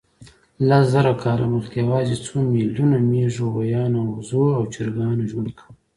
لس زره کاله مخکې یواځې څو میلیونو مېږو، غویانو، اوزو او چرګانو ژوند کاوه.